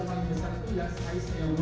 dirawat dengan baik dikasih makan dikasih minum